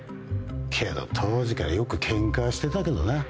けど当時からよくケンカはしてたけどな。